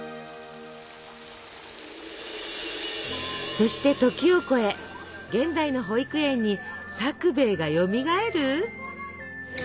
そして時を超え現代の保育園にさくべいがよみがえる！？